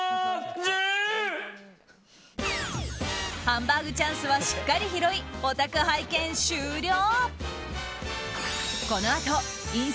ハンバーグチャンスはしっかり拾い、お宅拝見終了。